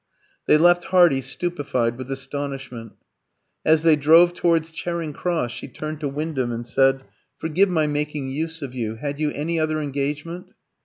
They left Hardy stupefied with astonishment. As they drove towards Charing Cross, she turned to Wyndham and said "Forgive my making use of you. Had you any other engagement?"